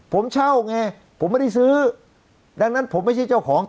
ผมเช่าไงผมไม่ได้ซื้อดังนั้นผมไม่ใช่เจ้าของ